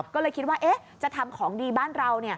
ก็เลยคิดว่าจะทำของดีบ้านเรา